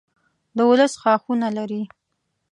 دولس ښاخونه لري.